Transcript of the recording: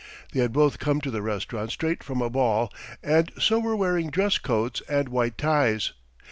They had both come to the restaurant straight from a ball and so were wearing dress coats and white ties.